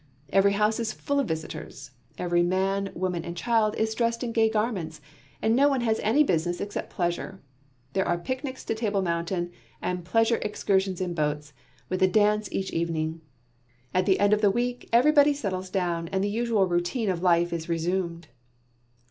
Every house is full of visitors, every man, woman, and child is dressed in gay garments, and no one has any business except pleasure. There are picnics to Table Mountain, and pleasure excursions in boats, with a dance every evening. At the end of the week, everybody settles down and the usual routine of life is resumed.